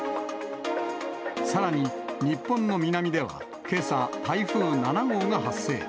さらに、日本の南ではけさ、台風７号が発生。